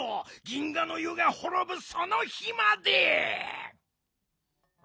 銀河の湯がほろぶその日まで！